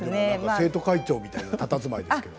生徒会長みたいなたたずまいですけど。